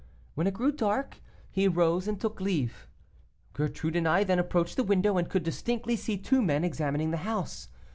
When it grew dark, he rose and took leave. Gertrude and I then approached the window, and could distinctly see two men examining the house.